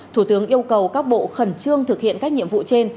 thủ tướng yêu cầu các bộ khẩn trương thực hiện các nhiệm vụ trên